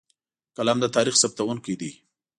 قلم د تاریخ ثبتونکی دی.